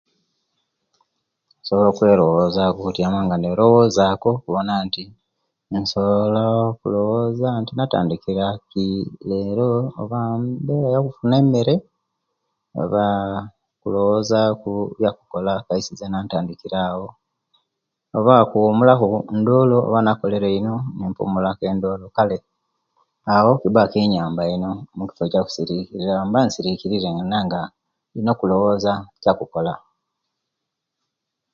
Nsobola okwelowozaku okutyama nga nelobozaku okubona nti nsobola okulowaza nti natandika ki lero oba mbera yakufuna emere oba kulowoza ku byakukola kaisi zena ntindikire awo oba kuwujula ku ndola oba nakolere ino nimpumula ku endolo kale awo kiba kinyamba ino mukifo kyasirikirira mba nga nsirikirire ndina okulowoza kyakukola